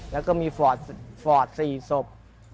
แล้วก็มีฟอร์ด๔ศพ